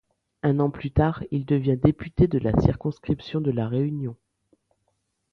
Un an plus tard, il devient député de la circonscription de la Réunion.